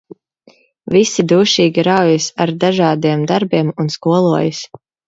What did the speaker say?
Visi dūšīgi raujas ar dažādiem darbiem un skolojas.